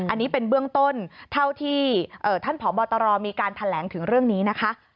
อันนี้เป็นเบื้องต้นเท่าที่ท่านผอบตรมีการแถลงถึงเรื่องนี้นะคะ